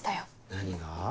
何が？